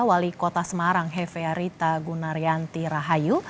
wali kota semarang hefearita gunaryanti rahayu